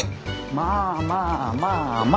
まあまあまあまあ。